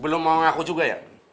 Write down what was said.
belum mau ngaku juga ya